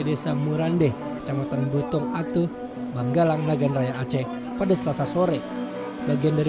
desa murandeh kecamatan butong atu banggalang nagan raya aceh pada selasa sore bagian dari